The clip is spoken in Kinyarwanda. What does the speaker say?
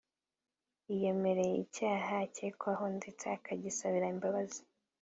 yiyemereye icyaha akekwaho ndetse akagisabira imbabazi